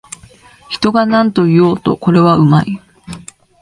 人がなんと言おうと、これはうまい